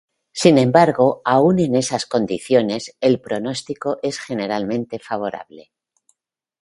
Sin embargo, aún en esas condiciones, el pronóstico es generalmente favorable.